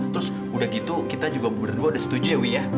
terus udah gitu kita juga berdua udah setuju ya wi ya